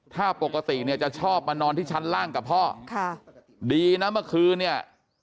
ถ้าปกติเนี่ยจะชอบมานอนที่ชั้นล่างกับพ่อค่ะดีนะเมื่อคืนเนี่ย